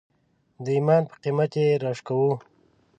د ایمان په قیمت یې راوشکول.